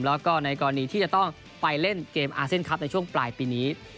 แล้วก็ในกรณีที่จะต้องไปเล่นเกมอาเซียนคลับในช่วงปลายปีนี้